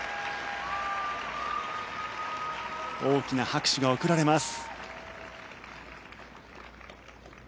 大きな拍手が送られます。